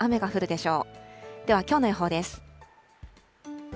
ではきょうの予報です。